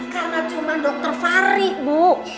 karena cuman dokter fahri bu